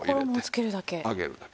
衣をつけるだけ？